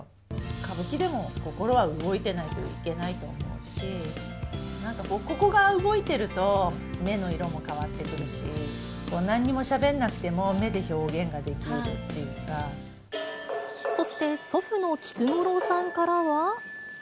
歌舞伎でも心は動いてないといけないと思うし、なんかここが動いてると、目の色も変わってくるし、なんにもしゃべらなくても、目で表現がそして、祖父の菊五郎さんからは。